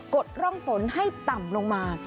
ดร่องฝนให้ต่ำลงมา